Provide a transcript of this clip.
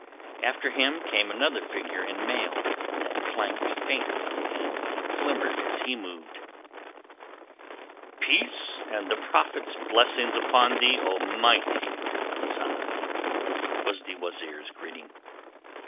After him came another figure in mail that clanked faintly and glimmered as he moved. "Peace and the Prophet's blessings upon thee, O mighty Asad!" was the wazeer's greeting.